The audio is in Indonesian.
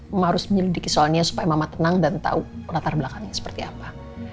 mama harus menyelidiki soalnya supaya mama tenang dan tahu latar belakangnya seperti apa